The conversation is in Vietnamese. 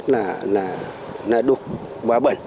là đục quá bẩn